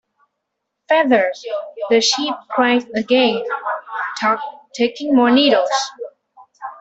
Feather!’ the Sheep cried again, taking more needles.